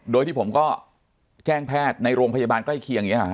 โดยที่ผมก็แจ้งแพทย์ในโรงพยาบาลใกล้เคียงอย่างนี้หรอฮ